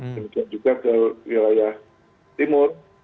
kemudian juga ada wilayah timur